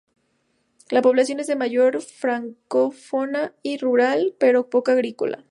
La población es en mayoría francófona y rural, pero poco agrícola.